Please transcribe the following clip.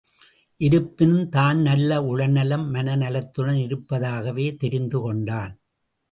இருப்பினும் தான் நல்ல உடல் நலம் மனநலத்துடன் இருப்பதாகவே தெரிந்து கொண்டான்.